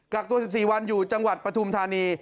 กักตัว๑๔วันอยู่จังหวัดปฐุมธานี